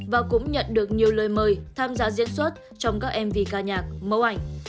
và cũng nhận được nhiều lời mời tham gia diễn xuất trong các mv ca nhạc mẫu ảnh